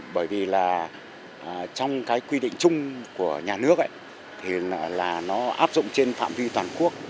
bởi vì là trong cái quy định chung của nhà nước thì là nó áp dụng trên phạm vi toàn quốc